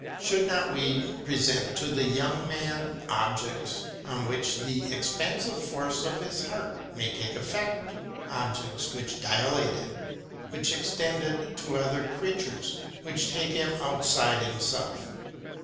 Should we not present to the young man objects on which the expansive force of his heart may take effect, objects which dilate it, which extend it to other creatures, which take him outside himself?